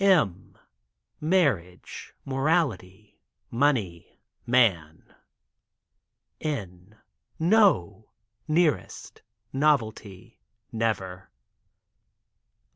M— Marriage— Morality— Money— Man. N — No — Nearest — Novelty — Never.